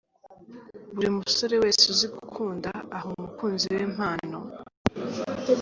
Buri musore wese uzi gukunda aha umukunzi we impano.